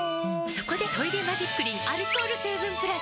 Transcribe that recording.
そこで「トイレマジックリン」アルコール成分プラス！